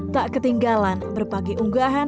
tak ketinggalan berbagi unggahan